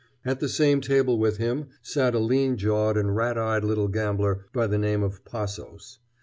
At the same table with him sat a lean jawed and rat eyed little gambler by the name of Passos.